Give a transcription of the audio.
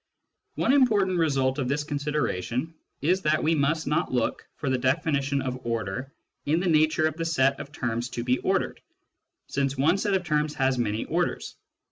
One important result of this consideration is that we must not look for the definition of order in the nature of the set of terms to be ordered, since one set of terms has many orders.